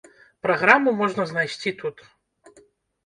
Праграму можна знайсці тут.